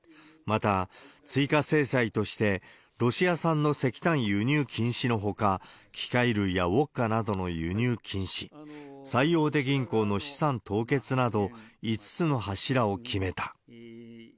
また、追加制裁としてロシア産の石炭輸入禁止のほか、機械類やウォッカなどの輸入禁止、最大手銀行の資産凍結など、５つの柱を決めた。